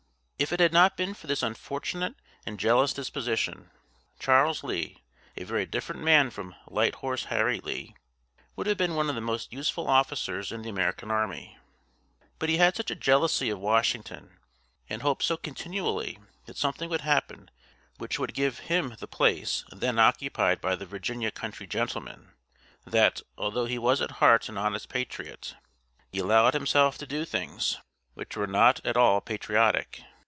If it had not been for this unfortunate and jealous disposition, Charles Lee a very different man from "Light Horse Harry" Lee would have been one of the most useful officers in the American army. But he had such a jealousy of Washington, and hoped so continually that something would happen which would give him the place then occupied by the Virginia country gentleman, that, although he was at heart an honest patriot, he allowed himself to do things which were not at all patriotic.